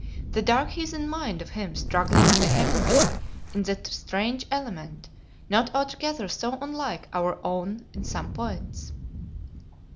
The dark heathen mind of him struggling vehemently in that strange element, not altogether so unlike our own in some points.